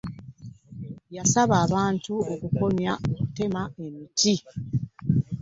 Yasaba abantu okukomya okutema emiti.